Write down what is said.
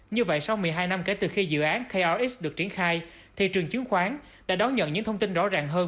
như vậy sau một mươi hai năm kể từ khi dự án krx được triển khai thị trường chứng khoán đã đón nhận những thông tin rõ ràng hơn